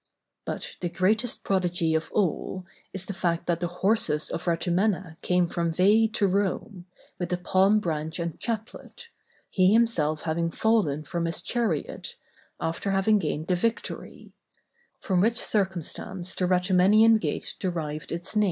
But the greatest prodigy of all, is the fact that the horses of Ratumenna came from Veii to Rome, with the palm branch and chaplet, he himself having fallen from his chariot, after having gained the victory; from which circumstance the Ratumennian gate derived its name.